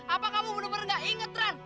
apa kamu bener bener gak inget ran